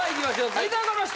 続いてはこの人！